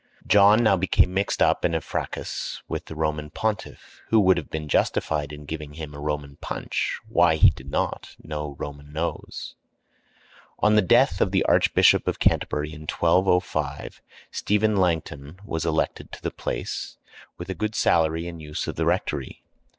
John now became mixed up in a fracas with the Roman pontiff, who would have been justified in giving him a Roman punch. Why he did not, no Roman knows. On the death of the Archbishop of Canterbury in 1205, Stephen Langton was elected to the place, with a good salary and use of the rectory.